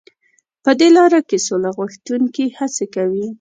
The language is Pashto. په دې لاره کې سوله غوښتونکي هڅې کوي.